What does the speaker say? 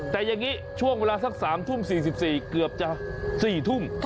แต่อย่างนี้ช่วงเวลาสัก๓ทุ่ม๔๔เกือบจะ๔ทุ่ม